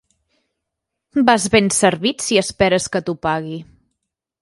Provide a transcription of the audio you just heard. Vas ben servit si esperes que t'ho pagui.